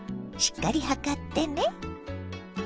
しっかり量ってね。